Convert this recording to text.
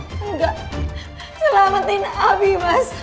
enggak selamatin abi mas